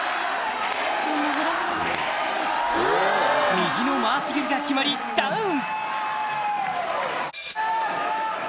・右の回し蹴りが決まりダウン！